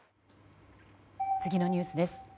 次のニュースです。